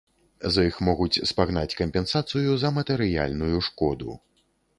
З іх могуць спагнаць кампенсацыю за матэрыяльную шкоду.